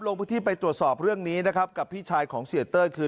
ลงพื้นที่ไปตรวจสอบเรื่องนี้นะครับกับพี่ชายของเสียเต้ยคือ